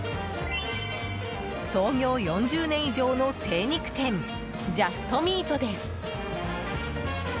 創業４０年以上の精肉店ジャストミートです。